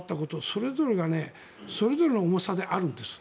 それぞれがそれぞれの重さであるんです。